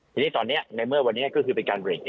ทีนี้ตอนเนี่ยในเมื่อวันนี้ก็คือไปการเรจ